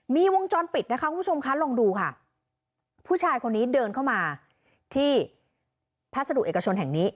มีวงจรปิดนะคะคุณผู้ชมคะลองดูค่ะผู้ชายคนนี้เดินเข้ามาที่พัสดุเอกชนแห่งนี้